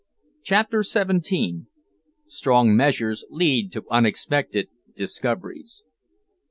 CHAPTER SEVENTEEN. STRONG MEASURES LEAD TO UNEXPECTED DISCOVERIES.